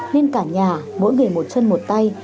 nên cả nhà mỗi người một chân một tay